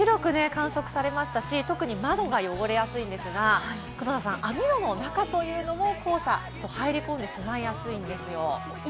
今日、広く観測されましたし、窓が汚れやすいんですけど、網戸の中にも黄砂が入り込んでしまいやすいんですよ。